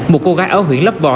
một cô gái ở huyện lấp bò